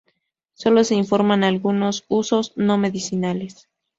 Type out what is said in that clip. Sólo se informan algunos usos no medicinales.